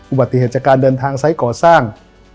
อุบัติเหตุจากการเดินทางไซส์ก่อสร้าง